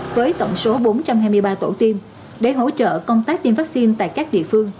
với tổng số bốn trăm hai mươi ba tổ tiêm để hỗ trợ công tác tiêm vaccine tại các địa phương